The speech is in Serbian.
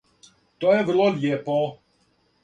То је врло лијепо.